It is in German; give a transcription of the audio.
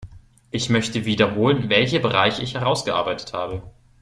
Ich möchte wiederholen, welche Bereiche ich herausgearbeitet habe.